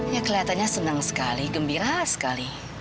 ya kelihatannya senang sekali gembira sekali